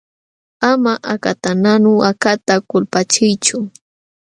Ama akatanqanu akata kulpachiychu.